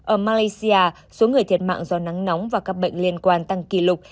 ở malaysia số người thiệt mạng do nắng nóng và các bệnh liên quan tăng kỷ lục